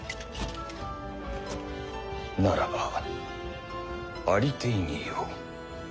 ならばありていに言おう。